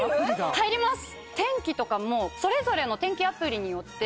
入ります。